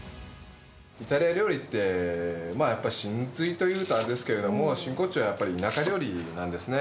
イタリア料理って、やっぱ神髄というとあれですけれども、真骨頂はやっぱり田舎料理なんですね。